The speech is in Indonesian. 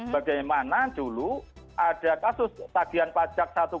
bagaimana dulu ada kasus tagihan pajak satu tujuh triliun